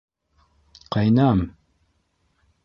Ҡәйнәм!..